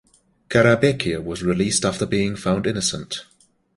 Karabekir was released after being found innocent.